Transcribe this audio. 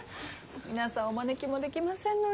皆さんお招きもできませんのに。